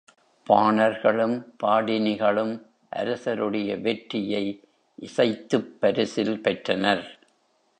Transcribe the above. பாணர்களும், பாடினிகளும் அரசருடைய வெற்றியை இசைத்துப் பரிசில் பெற்றனர்.